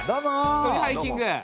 一人ハイキング！